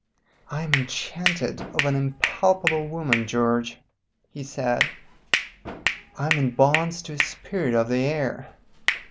"I am enchanted of an impalpable woman, George," he said, "I am in bonds to a spirit of the air.